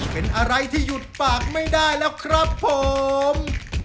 เป็นอะไรที่หยุดปากไม่ได้แล้วครับผม